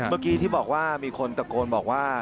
เมื่อกี้ที่บอกว่ามีคนตะโกนบอกว่า